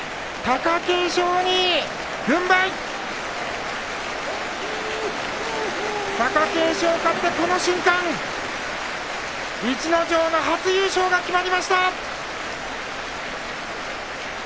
貴景勝、勝って、この瞬間逸ノ城の初優勝が決まりました。